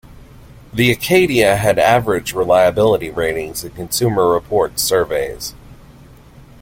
The Acadia had average reliability ratings in Consumer Reports' surveys.